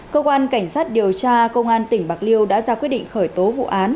cơ quan cảnh sát điều tra công an tỉnh bạc liêu đã ra quyết định khởi tố vụ án